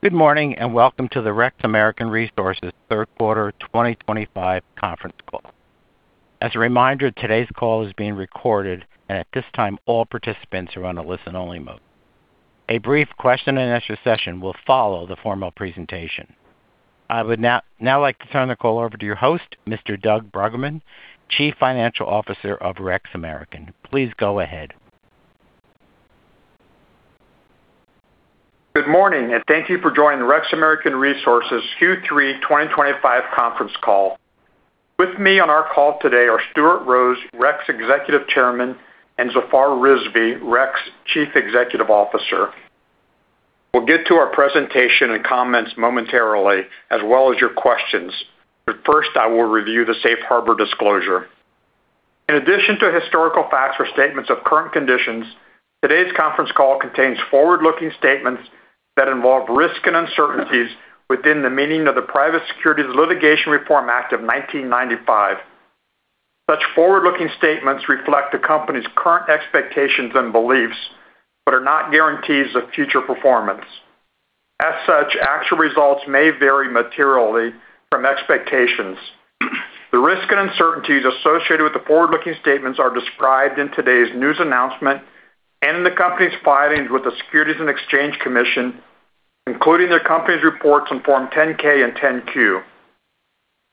Good morning and welcome to the REX American Resources Third Quarter 2025 conference call. As a reminder, today's call is being recorded, and at this time, all participants are on a listen-only mode. A brief question-and-answer session will follow the formal presentation. I would now like to turn the call over to your host, Mr. Doug Bruggeman, Chief Financial Officer of REX American Resources. Please go ahead. Good morning, and thank you for joining the REX American Resources Q3 2025 conference call. With me on our call today are Stuart Rose, REX Executive Chairman, and Zafar Rizvi, REX Chief Executive Officer. We'll get to our presentation and comments momentarily, as well as your questions. But first, I will review the safe harbor disclosure. In addition to historical facts or statements of current conditions, today's conference call contains forward-looking statements that involve risk and uncertainties within the meaning of the Private Securities Litigation Reform Act of 1995. Such forward-looking statements reflect the company's current expectations and beliefs, but are not guarantees of future performance. As such, actual results may vary materially from expectations. The risk and uncertainties associated with the forward-looking statements are described in today's news announcement and in the company's filings with the Securities and Exchange Commission, including the company's reports on Form 10-K and 10-Q.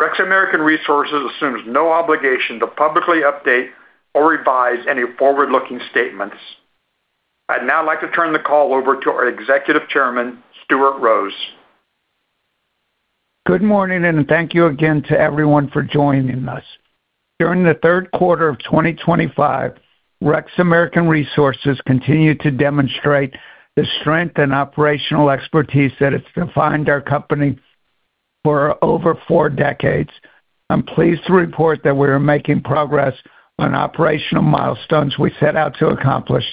REX American Resources assumes no obligation to publicly update or revise any forward-looking statements. I'd now like to turn the call over to our Executive Chairman, Stuart Rose. Good morning, and thank you again to everyone for joining us. During the third quarter of 2025, REX American Resources continued to demonstrate the strength and operational expertise that has defined our company for over four decades. I'm pleased to report that we are making progress on operational milestones we set out to accomplish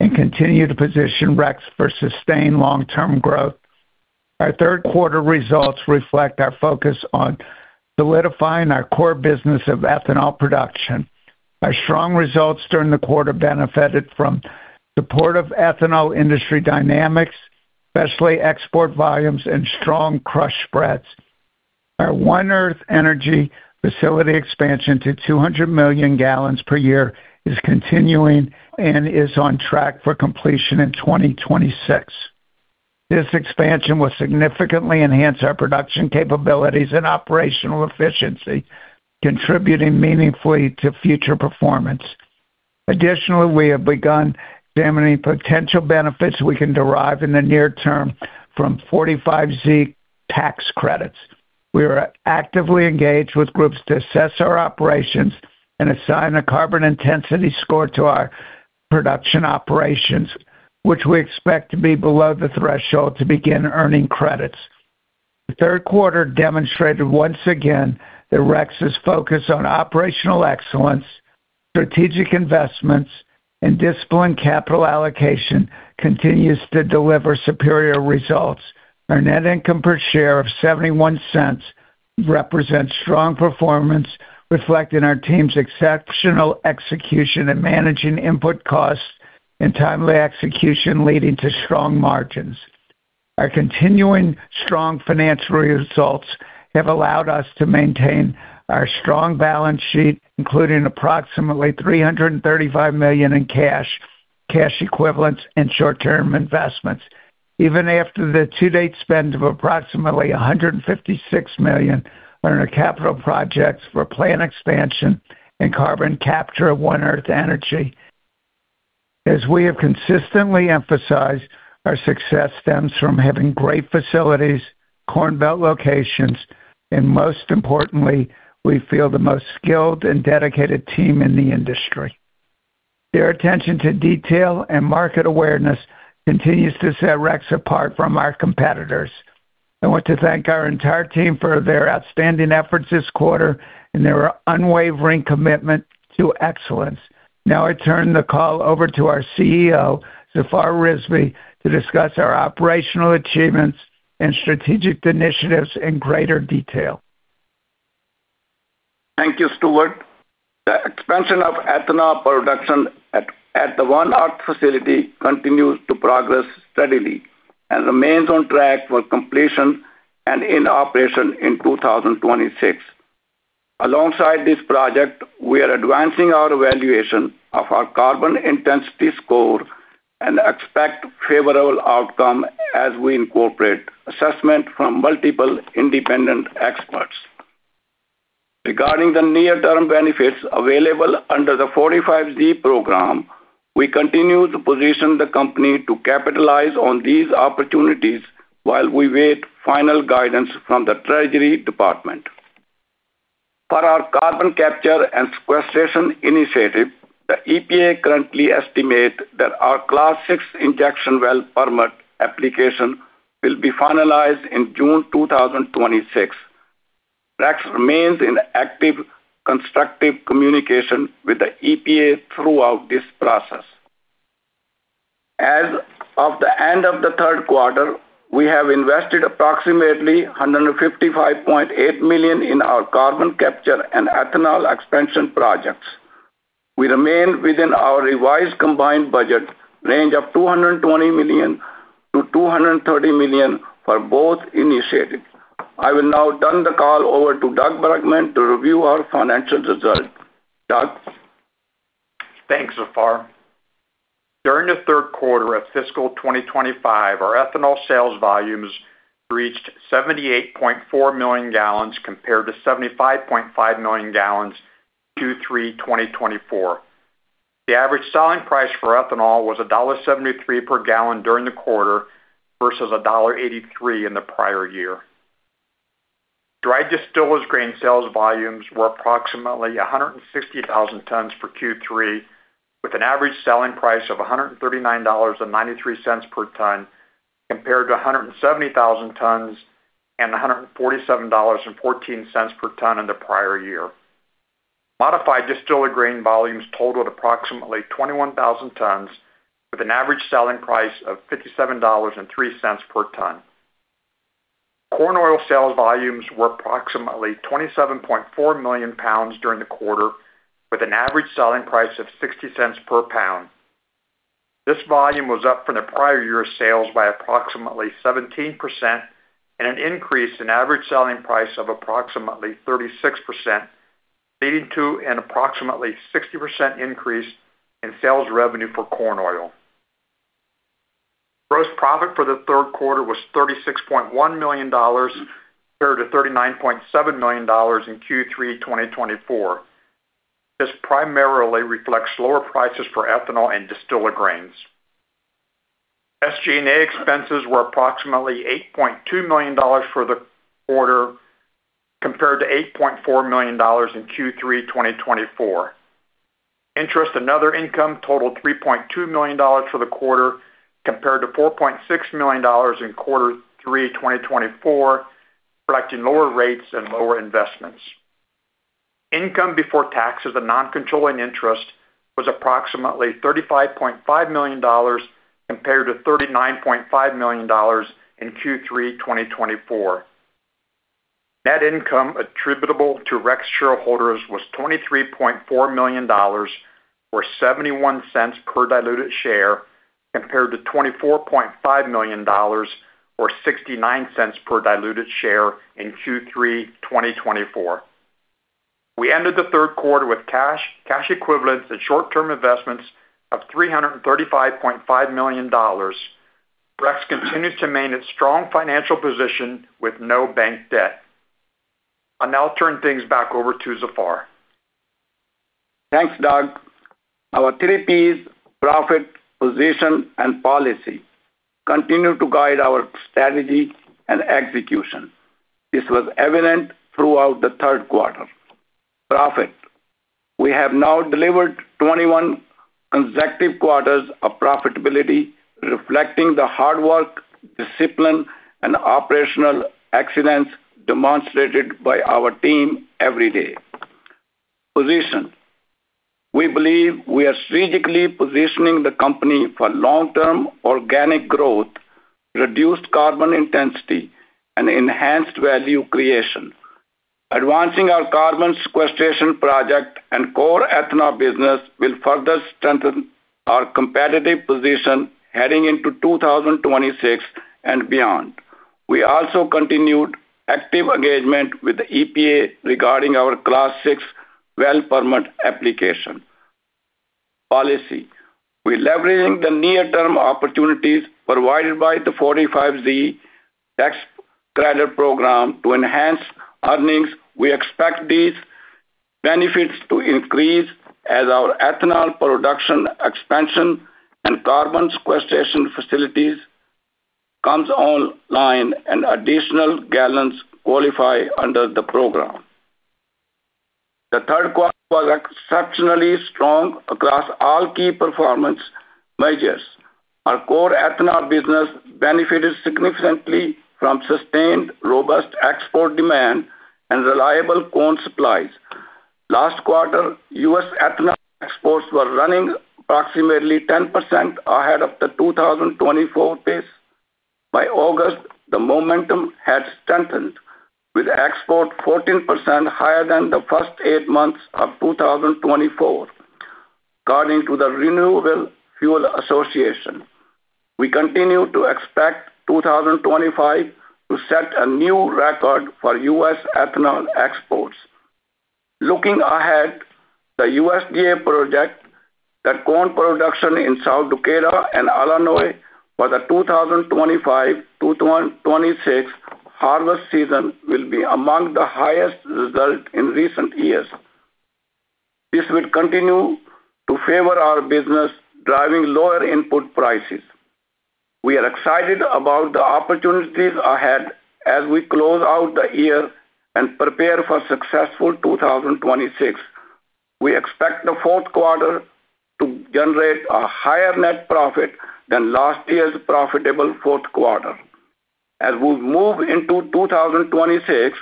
and continue to position REX for sustained long-term growth. Our third quarter results reflect our focus on solidifying our core business of ethanol production. Our strong results during the quarter benefited from supportive ethanol industry dynamics, especially export volumes and strong crush spreads. Our One Earth Energy facility expansion to 200 million gallons per year is continuing and is on track for completion in 2026. This expansion will significantly enhance our production capabilities and operational efficiency, contributing meaningfully to future performance. Additionally, we have begun examining potential benefits we can derive in the near term from 45Z tax credits. We are actively engaged with groups to assess our operations and assign a carbon intensity score to our production operations, which we expect to be below the threshold to begin earning credits. The third quarter demonstrated once again that REX's focus on operational excellence, strategic investments, and disciplined capital allocation continues to deliver superior results. Our net income per share of $0.71 represents strong performance, reflecting our team's exceptional execution in managing input costs and timely execution, leading to strong margins. Our continuing strong financial results have allowed us to maintain our strong balance sheet, including approximately $335 million in cash, cash equivalents, and short-term investments. Even after the two-day spend of approximately $156 million, our capital projects for plant expansion and carbon capture of One Earth Energy, as we have consistently emphasized, our success stems from having great facilities, Corn Belt locations, and most importantly, we feel the most skilled and dedicated team in the industry. Their attention to detail and market awareness continues to set REX apart from our competitors. I want to thank our entire team for their outstanding efforts this quarter and their unwavering commitment to excellence. Now I turn the call over to our CEO, Zafar Rizvi, to discuss our operational achievements and strategic initiatives in greater detail. Thank you, Stuart. The expansion of ethanol production at the One Earth facility continues to progress steadily and remains on track for completion and in operation in 2026. Alongside this project, we are advancing our evaluation of our carbon intensity score and expect favorable outcomes as we incorporate assessment from multiple independent experts. Regarding the near-term benefits available under the 45Z program, we continue to position the company to capitalize on these opportunities while we wait for final guidance from the Treasury Department. For our carbon capture and sequestration initiative, the EPA currently estimates that our Class VI injection well permit application will be finalized in June 2026. REX remains in active constructive communication with the EPA throughout this process. As of the end of the third quarter, we have invested approximately $155.8 million in our carbon capture and ethanol expansion projects. We remain within our revised combined budget range of $220 million-$230 million for both initiatives. I will now turn the call over to Doug Bruggeman to review our financial results. Doug. Thanks, Zafar. During the third quarter of fiscal 2025, our ethanol sales volumes reached 78.4 million gallons compared to 75.5 million gallons Q3 2024. The average selling price for ethanol was $1.73 per gallon during the quarter versus $1.83 in the prior year. Dried distillers grains sales volumes were approximately 160,000 tons for Q3, with an average selling price of $139.93 per ton compared to 170,000 tons and $147.14 per ton in the prior year. Modified distillers grain volumes totaled approximately 21,000 tons, with an average selling price of $57.03 per ton. Corn oil sales volumes were approximately 27.4 million pounds during the quarter, with an average selling price of $0.60 per pound. This volume was up from the prior year's sales by approximately 17% and an increase in average selling price of approximately 36%, leading to an approximately 60% increase in sales revenue for corn oil. Gross profit for the third quarter was $36.1 million compared to $39.7 million in Q3 2024. This primarily reflects lower prices for ethanol and distillers grains. SG&A expenses were approximately $8.2 million for the quarter compared to $8.4 million in Q3 2024. Interest and other income totaled $3.2 million for the quarter compared to $4.6 million in Q3 2024, reflecting lower rates and lower investments. Income before taxes and non-controlling interest was approximately $35.5 million compared to $39.5 million in Q3 2024. Net income attributable to REX shareholders was $23.4 million or $0.71 per diluted share compared to $24.5 million or $0.69 per diluted share in Q3 2024. We ended the third quarter with cash, cash equivalents, and short-term investments of $335.5 million. REX continues to maintain its strong financial position with no bank debt. I'll now turn things back over to Zafar. Thanks, Doug. Our three Ps, profit, position, and policy, continue to guide our strategy and execution. This was evident throughout the third quarter. Profit. We have now delivered 21 consecutive quarters of profitability, reflecting the hard work, discipline, and operational excellence demonstrated by our team every day. Position. We believe we are strategically positioning the company for long-term organic growth, reduced carbon intensity, and enhanced value creation. Advancing our carbon sequestration project and core ethanol business will further strengthen our competitive position heading into 2026 and beyond. We also continued active engagement with the EPA regarding our Class VI well permit application. Policy. We are leveraging the near-term opportunities provided by the 45Z tax credit program to enhance earnings. We expect these benefits to increase as our ethanol production expansion and carbon sequestration facilities come online and additional gallons qualify under the program. The third quarter was exceptionally strong across all key performance measures. Our core ethanol business benefited significantly from sustained robust export demand and reliable corn supplies. Last quarter, U.S. ethanol exports were running approximately 10% ahead of the 2024 pace. By August, the momentum had strengthened, with exports 14% higher than the first eight months of 2024, according to the Renewable Fuel Association. We continue to expect 2025 to set a new record for U.S. ethanol exports. Looking ahead, the USDA projects that corn production in South Dakota and Illinois for the 2025-2026 harvest season will be among the highest results in recent years. This will continue to favor our business, driving lower input prices. We are excited about the opportunities ahead as we close out the year and prepare for a successful 2026. We expect the fourth quarter to generate a higher net profit than last year's profitable fourth quarter. As we move into 2026,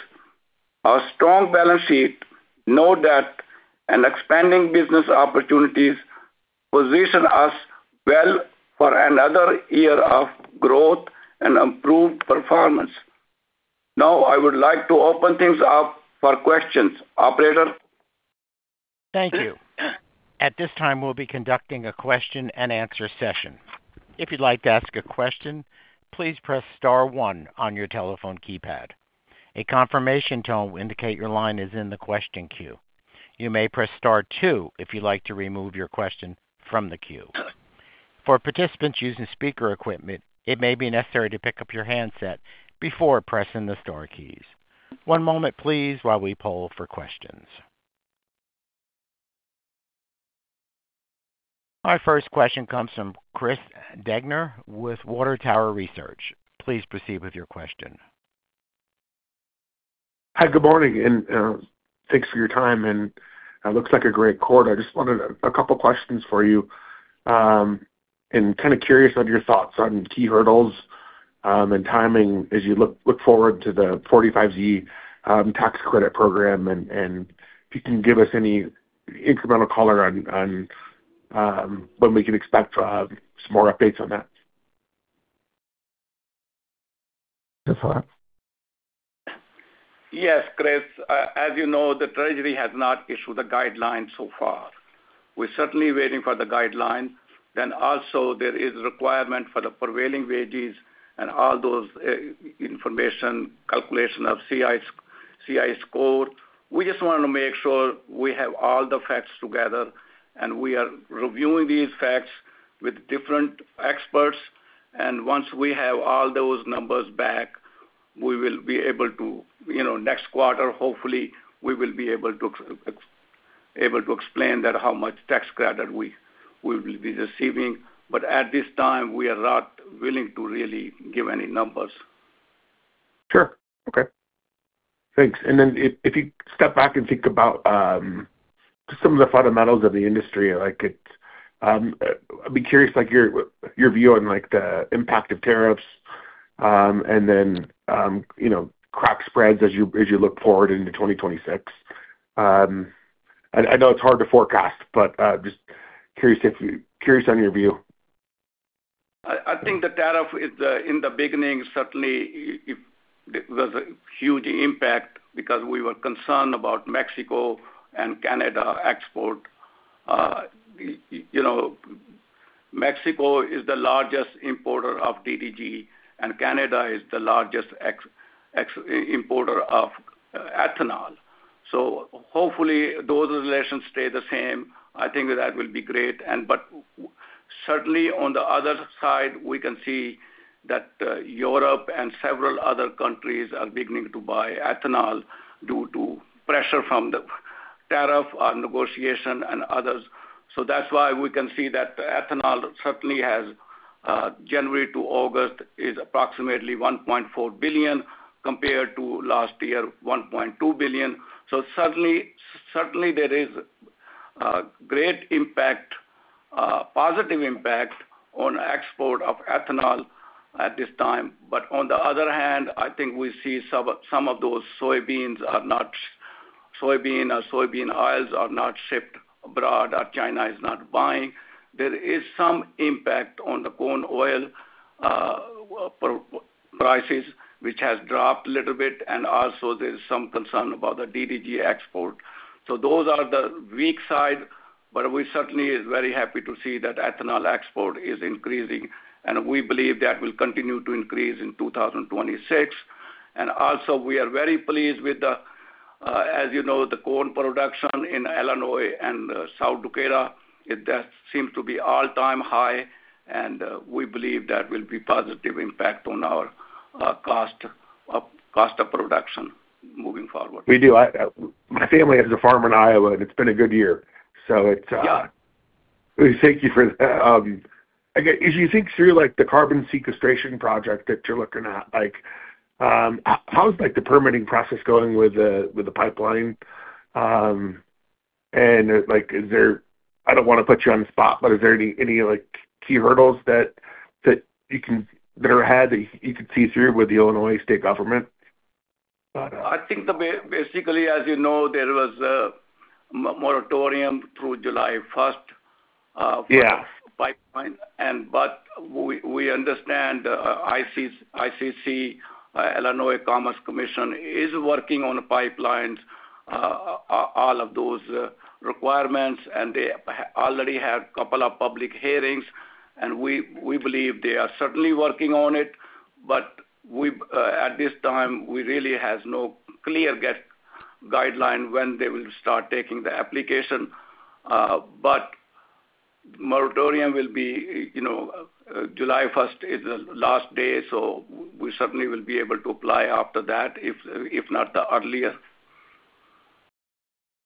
our strong balance sheet, no debt, and expanding business opportunities position us well for another year of growth and improved performance. Now, I would like to open things up for questions. Operator. Thank you. At this time, we'll be conducting a question-and-answer session. If you'd like to ask a question, please press Star one on your telephone keypad. A confirmation tone will indicate your line is in the question queue. You may press Star two if you'd like to remove your question from the queue. For participants using speaker equipment, it may be necessary to pick up your handset before pressing the Star keys. One moment, please, while we poll for questions. Our first question comes from Chris Degner with Water Tower Research. Please proceed with your question. Hi, good morning, and thanks for your time. And it looks like a great quarter. I just wanted a couple of questions for you and kind of curious on your thoughts on key hurdles and timing as you look forward to the 45Z tax credit program. And if you can give us any incremental color on when we can expect some more updates on that? Yes, Chris. As you know, the Treasury has not issued a guideline so far. We're certainly waiting for the guideline, then also there is a requirement for the prevailing wages and all those information calculations of CI score. We just wanted to make sure we have all the facts together, and we are reviewing these facts with different experts, and once we have all those numbers back, we will be able to, next quarter, hopefully, we will be able to explain how much tax credit we will be receiving, but at this time, we are not willing to really give any numbers. Sure. Okay. Thanks. And then if you step back and think about just some of the fundamentals of the industry, I'd be curious your view on the impact of tariffs and then crush spreads as you look forward into 2026. I know it's hard to forecast, but just curious on your view. I think the tariff in the beginning certainly was a huge impact because we were concerned about Mexico and Canada export. Mexico is the largest importer of DDG, and Canada is the largest importer of ethanol. So hopefully, those relations stay the same. I think that will be great. But certainly, on the other side, we can see that Europe and several other countries are beginning to buy ethanol due to pressure from the tariff, our negotiation, and others. So that's why we can see that ethanol certainly has January to August is approximately $1.4 billion compared to last year, $1.2 billion. So certainly, there is a great impact, positive impact on export of ethanol at this time. But on the other hand, I think we see some of those soybeans or soybean oils are not shipped abroad, or China is not buying. There is some impact on the corn oil prices, which has dropped a little bit. And also, there is some concern about the DDG export. So those are the weak side. But we certainly are very happy to see that ethanol export is increasing, and we believe that will continue to increase in 2026. And also, we are very pleased with, as you know, the corn production in Illinois and South Dakota. That seems to be all-time high, and we believe that will be a positive impact on our cost of production moving forward. We do. My family has a farm in Iowa, and it's been a good year. So thank you for that. As you think through the carbon sequestration project that you're looking at, how's the permitting process going with the pipeline? And I don't want to put you on the spot, but are there any key hurdles that are ahead that you could see through with the Illinois state government? I think basically, as you know, there was a moratorium through July 1st for pipelines, but we understand the ICC, Illinois Commerce Commission, is working on pipelines, all of those requirements, and they already have a couple of public hearings, and we believe they are certainly working on it, but at this time, we really have no clear guideline when they will start taking the application, but the moratorium will be July 1st, is the last day, so we certainly will be able to apply after that, if not earlier,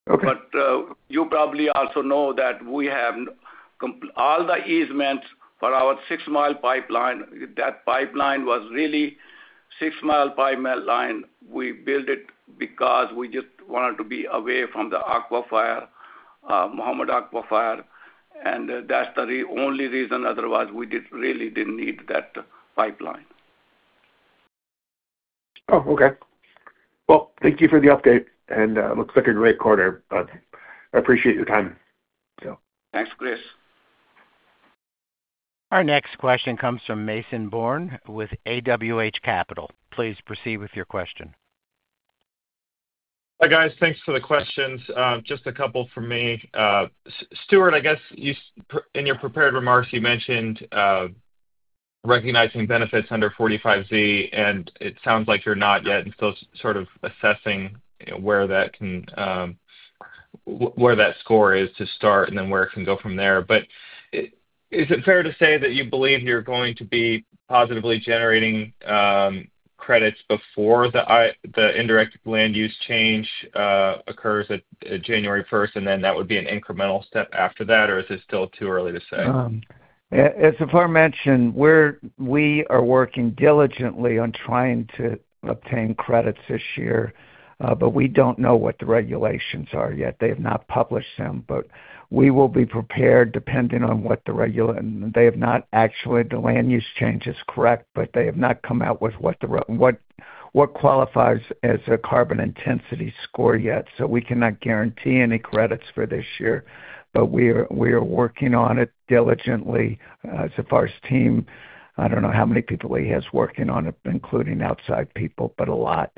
but you probably also know that we have all the easements for our six-mile pipeline. That pipeline was really a six-mile pipeline. We built it because we just wanted to be away from the Mahomet Aquifer, and that's the only reason. Otherwise, we really didn't need that pipeline. Oh, okay. Well, thank you for the update. And it looks like a great quarter. I appreciate your time. Thanks, Chris. Our next question comes from Mason Bourn with AWH Capital. Please proceed with your question. Hi, guys. Thanks for the questions. Just a couple for me. Stuart, I guess in your prepared remarks, you mentioned recognizing benefits under 45Z, and it sounds like you're not yet and still sort of assessing where that score is to start and then where it can go from there. But is it fair to say that you believe you're going to be positively generating credits before the indirect land use change occurs at January 1st, and then that would be an incremental step after that? Or is it still too early to say? As Zafar mentioned, we are working diligently on trying to obtain credits this year, but we don't know what the regulations are yet. They have not published them, but we will be prepared depending on what the regulations, and they have not actually, the land use change is correct, but they have not come out with what qualifies as a carbon intensity score yet, so we cannot guarantee any credits for this year, but we are working on it diligently. Zafar's team, I don't know how many people he has working on it, including outside people, but a lot,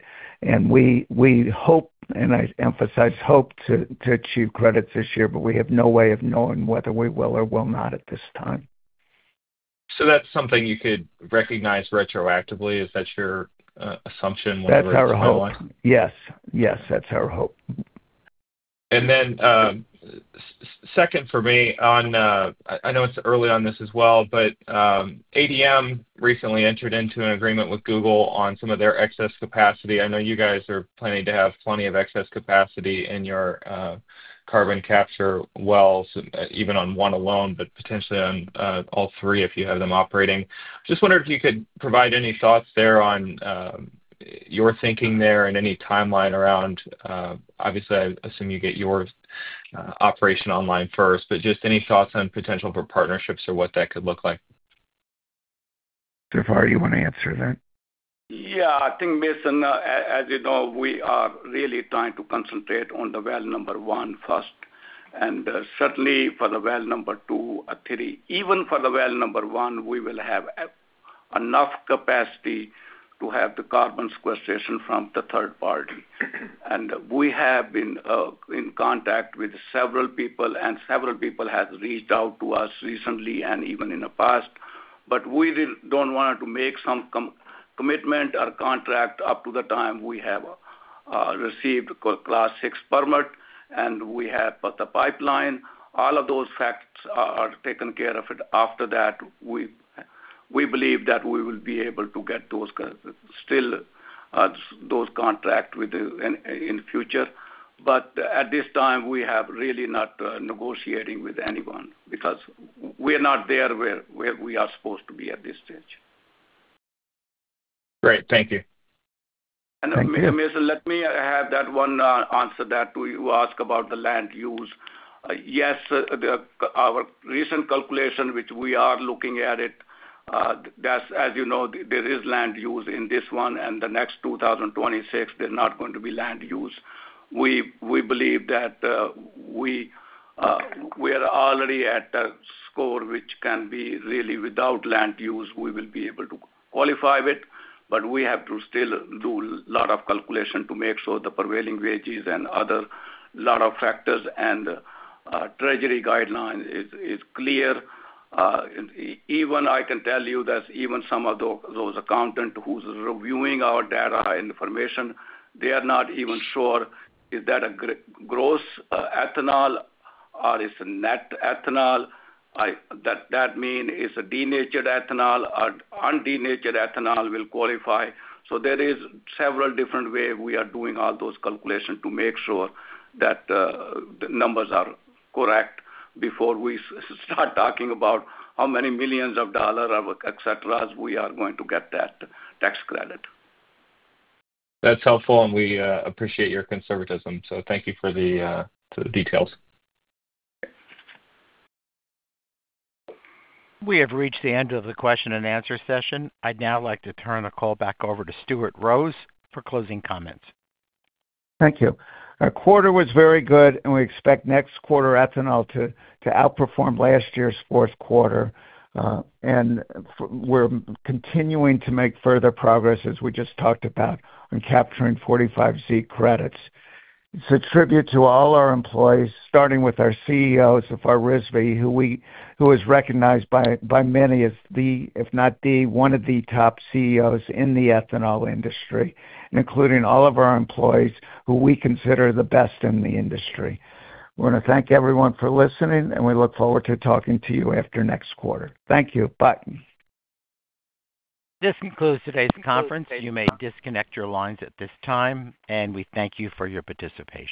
and we hope, and I emphasize hope, to achieve credits this year, but we have no way of knowing whether we will or will not at this time. So that's something you could recognize retroactively. Is that your assumption whenever it's timeline? That's our hope. Yes. Yes, that's our hope. And then second for me, I know it's early on this as well, but ADM recently entered into an agreement with Google on some of their excess capacity. I know you guys are planning to have plenty of excess capacity in your carbon capture wells, even on one alone, but potentially on all three if you have them operating. Just wondered if you could provide any thoughts there on your thinking there and any timeline around, obviously, I assume you get your operation online first, but just any thoughts on potential for partnerships or what that could look like? Zafar, you want to answer that? Yeah. I think, Mason, as you know, we are really trying to concentrate on the well number one first. Certainly, for the well number two or three, even for the well number one, we will have enough capacity to have the carbon sequestration from the third party. We have been in contact with several people, and several people have reached out to us recently and even in the past. We don't want to make some commitment or contract up to the time we have received a Class VI permit, and we have the pipeline. All of those facts are taken care of. After that, we believe that we will be able to get still those contracts in the future. At this time, we have really not negotiated with anyone because we are not there where we are supposed to be at this stage. Great. Thank you. Mason, let me have that one answer that you asked about the land use. Yes, our recent calculation, which we are looking at it, as you know, there is land use in this one, and the next 2026, there's not going to be land use. We believe that we are already at a score which can be really without land use. We will be able to qualify it. But we have to still do a lot of calculation to make sure the prevailing wages and other a lot of factors and Treasury guidelines is clear. Even I can tell you that even some of those accountants who are reviewing our data and information, they are not even sure if that gross ethanol or it's net ethanol, that means it's a denatured ethanol or undenatured ethanol will qualify. There are several different ways we are doing all those calculations to make sure that the numbers are correct before we start talking about how many millions of dollars, etc., we are going to get that tax credit. That's helpful, and we appreciate your conservatism. So thank you for the details. We have reached the end of the question-and-answer session. I'd now like to turn the call back over to Stuart Rose for closing comments. Thank you. Our quarter was very good, and we expect next quarter ethanol to outperform last year's fourth quarter, and we're continuing to make further progress, as we just talked about, in capturing 45Z credits. It's a tribute to all our employees, starting with our CEO, Zafar Rizvi, who is recognized by many as the, if not the, one of the top CEOs in the ethanol industry, including all of our employees who we consider the best in the industry. We want to thank everyone for listening, and we look forward to talking to you after next quarter. Thank you. Bye. This concludes today's conference. You may disconnect your lines at this time, and we thank you for your participation.